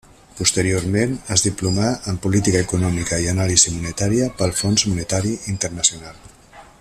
Posteriorment es diplomà en Política Econòmica i Anàlisi Monetària pel Fons Monetari Internacional.